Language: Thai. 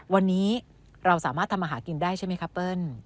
วันนี้เราสามารถทำอาหารกินได้ใช่ไหมคะเปิ้ล